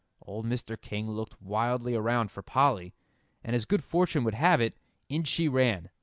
Old Mr. King looked wildly around for Polly. And as good fortune would have it, in she ran.